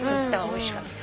おいしかった。